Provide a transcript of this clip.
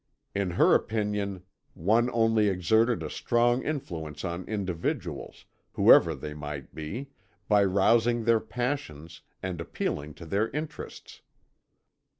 In her opinion one only exerted a strong influence on individuals, whoever they might be, by rousing their passions, and appealing to their interests.